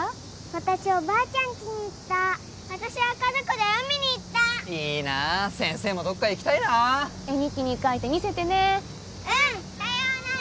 私おばあちゃんちに行った私は家族で海に行ったいいな先生もどっか行きたいな絵日記に描いて見せてねうんさようなら